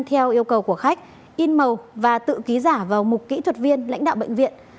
theo yêu cầu của khách in màu và tự ký giả vào mục kỹ thuật viên lãnh đạo bệnh viện